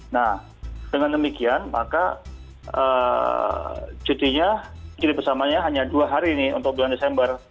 nah dengan demikian maka cutinya cuti bersamanya hanya dua hari nih untuk bulan desember